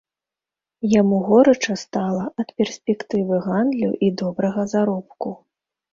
Яму горача стала ад перспектывы гандлю і добрага заробку.